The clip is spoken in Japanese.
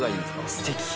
すてき。